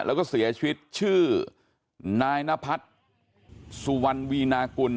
แล้วก็เสียชีวิตชื่อนายนพัฒน์สุวรรณวีนากุล